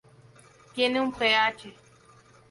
Tiene un Ph.